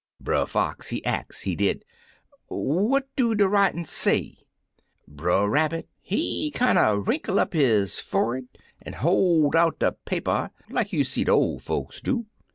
Brer Fox, he ax, he did, 'What do de writin' say?' Brer Rabbit, he kinder^ wrinkle up his forrer'd, an' hoi' out de paper like you've seed ol' folks do.